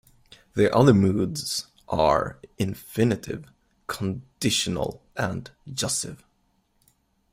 The other moods are the infinitive, conditional, and jussive.